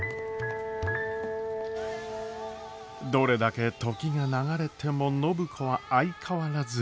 どれだけ時が流れても暢子は相変わらず。